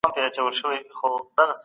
مجاهدین د حق په سنګر کي پاته سول.